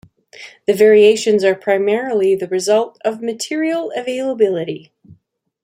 The variations are primarily the result of material availability.